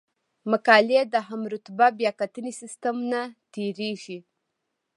مقالې د هم رتبه بیاکتنې سیستم نه تیریږي.